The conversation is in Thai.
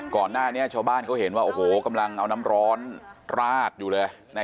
ก่อนหน้านี้ชาวบ้านเขาเห็นว่าโอ้โหกำลังเอาน้ำร้อนราดอยู่เลย